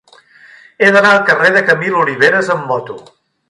He d'anar al carrer de Camil Oliveras amb moto.